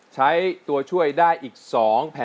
ไม่ใช้ค่ะ